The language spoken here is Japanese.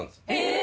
え！